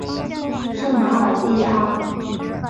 圣马尔蒂阿。